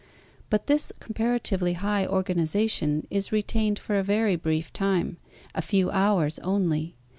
But this comparatively high organization is re tained for a very brief time, a few hours only.